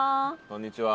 こんにちは。